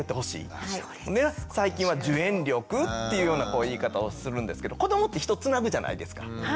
最近は「受援力」っていうような言い方をするんですけど子どもって人つなぐじゃないですか。